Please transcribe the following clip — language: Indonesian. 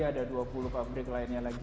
ada dua puluh pabrik lainnya lagi